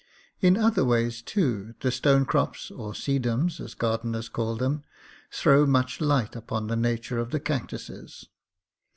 In other ways, too, the stone crops (or sedums, as gardeners call them) throw much light upon the nature of the cactuses.